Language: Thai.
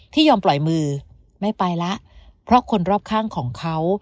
ยอมปล่อยมือไม่ไปแล้วเพราะคนรอบข้างของเขา